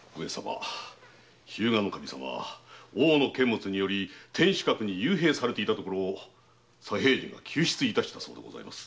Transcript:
日向守様は大野監物により天守閣に幽閉されていたところ左平次が救出いたしたそうです。